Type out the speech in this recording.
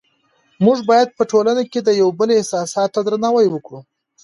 موږ باید په ټولنه کې د یو بل احساساتو ته درناوی وکړو